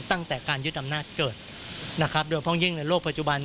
ตั้งแต่การยึดอำนาจเกิดนะครับโดยเพราะยิ่งในโลกปัจจุบัน